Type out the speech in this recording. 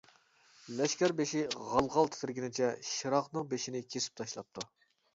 لەشكەر بېشى غال-غال تىترىگىنىچە شىراقنىڭ بېشىنى كېسىپ تاشلاپتۇ.